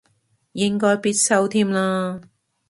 應該必修添啦